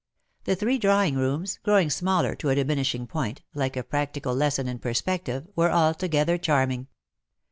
The three drawing rooms, growing smaller to a diminishing point, like a practical lesson in perspective, were altogether charming.